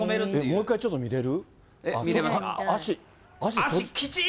もう一回、ちょっと見れる？